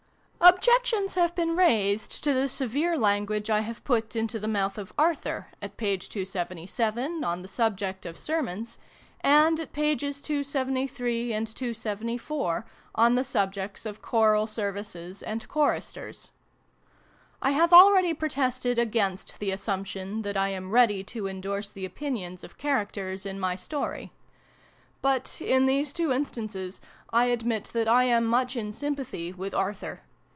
Objections have been raised to the severe language I have put into the mouth of ' Arthur ', at p. 277, on PREFACE. xix the subject of * Sermons,' and at pp. 273, 274, on the subjects of Choral Services and ' Choristers.' I have already protested against the assumption that I am ready to endorse the opinions of characters in my story. But, in these two instances, I admit that I am much in sympathy with ' Arthur.'